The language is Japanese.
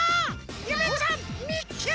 ゆめちゃんみっけ！